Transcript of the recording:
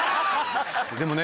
でもね